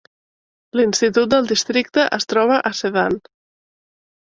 L'institut del districte es troba a Sedan.